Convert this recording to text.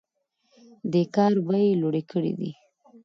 دې کار بیې لوړې کړي دي.